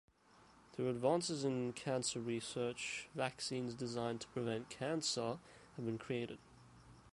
Through advances in cancer research, vaccines designed to prevent cancer have been created.